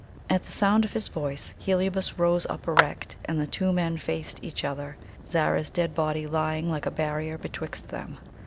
At the sound of his voice Heliobas rose up erect, and the two men faced each other, Zara's dead body lying like a barrier betwixt them.